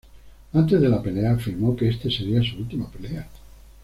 Antes de la pelea, afirmó que esta sería su última pelea.